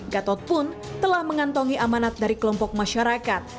gatot pun telah mengantongi amanat dari kelompok masyarakat